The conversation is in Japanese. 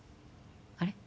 あれ？